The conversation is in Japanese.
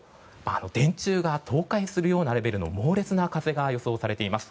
電柱が倒壊するようなレベルの猛烈な風が予想されています。